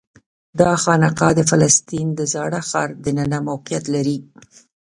دا خانقاه د فلسطین د زاړه ښار دننه موقعیت لري.